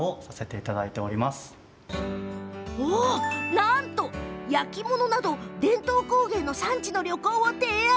なんと、焼き物など伝統工芸の産地の旅行を提案。